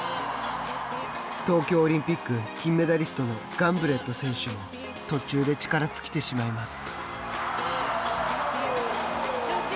東京オリンピック金メダリストのガンブレット選手も途中で力尽きてしまいます。